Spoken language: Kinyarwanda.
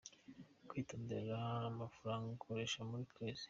Kwitondera amafaranga ukoresha buri kwezi.